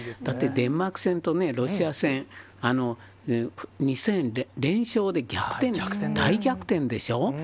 だって、デンマーク戦とロシア戦、２戦連勝で逆転、大逆転でしょ。